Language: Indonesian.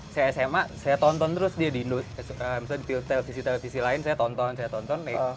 saya sma saya tonton terus dia di misalnya di televisi televisi lain saya tonton saya tonton